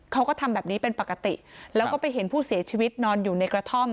เขาก็ทำแบบนี้เป็นปกติแล้วก็ไปเห็นผู้เสียชีวิตนอนอยู่ในกระท่อม